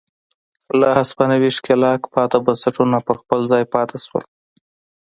له هسپانوي ښکېلاکه پاتې بنسټونه پر خپل ځای پاتې شول.